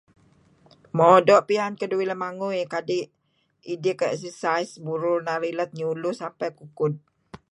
Mo doo' piyan keduih lemangui kadi' exercise burur narih lat ngi uluh paad kukud.